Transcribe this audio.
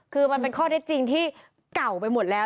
คือมันเป็นข้อเท็จจริงที่เก่าไปหมดแล้ว